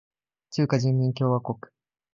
中華人民共和国